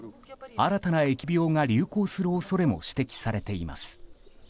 新たな疫病が流行する恐れも指摘されています。